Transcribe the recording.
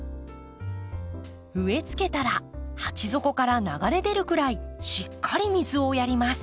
植えつけたら鉢底から流れ出るぐらいしっかり水をやります。